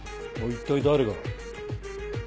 一体誰が。